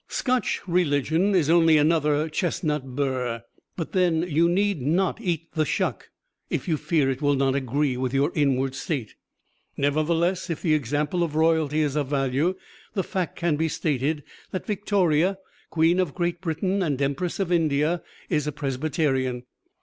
Scotch religion is only another chestnut bur, but then you need not eat the shuck if you fear it will not agree with your inward state. Nevertheless, if the example of royalty is of value, the fact can be stated that Victoria, Queen of Great Britain and Empress of India, is a Presbyterian.